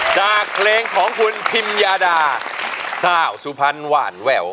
จากเพลงของคุณพิมยาดาสาวสุพรรณหว่านแวว